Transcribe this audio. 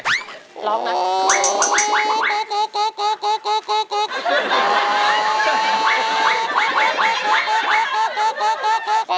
ร้องนะ